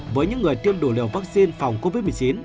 với những người tiêm đủ liều vaccine phòng covid một mươi chín